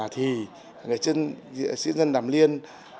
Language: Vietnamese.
thì nghệ sĩ dân đàm liên